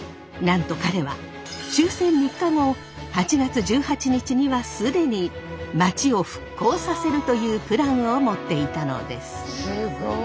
なんと彼は終戦３日後８月１８日には既にまちを復興させるというプランを持っていたのです。